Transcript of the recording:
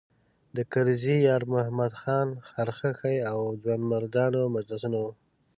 د کرز د یارمحمد خان خرخښې او د ځوانمردانو مجلسونه وو.